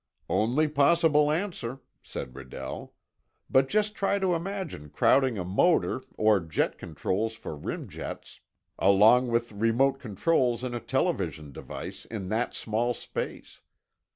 "Only possible answer," said Redell. "But just try to imagine crowding a motor, or jet controls for rim jets, along with remote controls and a television device, in that small space.